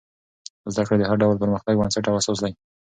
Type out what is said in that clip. زده کړه د هر ډول پرمختګ بنسټ او اساس دی.